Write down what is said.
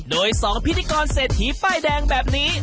โดย๒พิธีกรเศรษฐีป้ายแดงแบบนี้